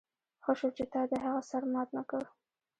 ښه شو چې تا د هغه سر مات نه کړ